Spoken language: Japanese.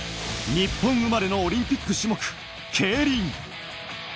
日本生まれのオリンピック種目、ケイリン。